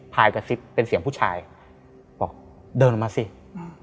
กระซิบเป็นเสียงผู้ชายบอกเดินออกมาสิ